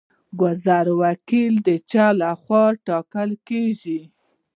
ګذر وکیل د چا لخوا ټاکل کیږي؟